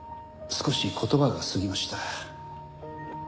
少し言葉が過ぎました。